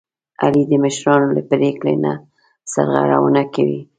علي د مشرانو له پرېکړې نه سرغړونه کوي.